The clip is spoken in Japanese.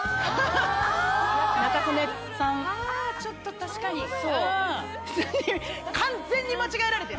ちょっと確かに。